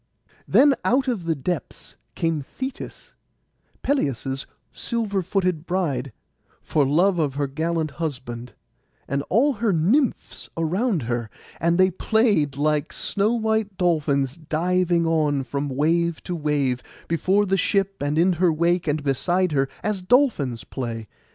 Then out of the depths came Thetis, Peleus' silver footed bride, for love of her gallant husband, and all her nymphs around her; and they played like snow white dolphins, diving on from wave to wave, before the ship, and in her wake, and beside her, as dolphins play.